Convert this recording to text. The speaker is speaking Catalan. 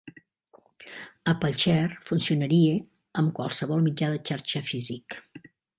AppleShare funcionaria amb qualsevol mitjà de xarxa físic.